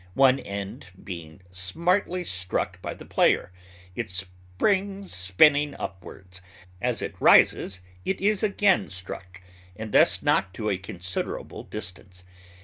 One end being smartly struck by the player, it springs spinning upwards; as it rises it is again struck, and thus knocked to a considerable distance.